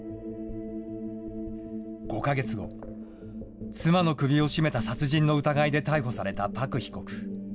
５か月後、妻の首を絞めた殺人の疑いで逮捕された朴被告。